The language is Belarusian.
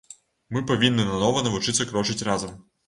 Мы павінны нанова навучыцца крочыць разам.